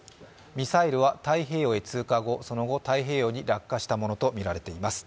ミサイルは太平洋へ通過後、太平洋に落下したものとみられています。